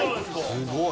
すごい。